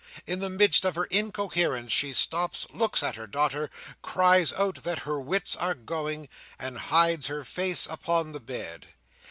In the midst of her incoherence, she stops, looks at her daughter, cries out that her wits are going, and hides her face upon the bed.